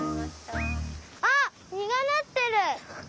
あっみがなってる！